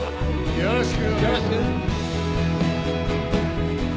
よろしく。